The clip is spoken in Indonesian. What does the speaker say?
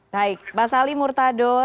baik basali murtado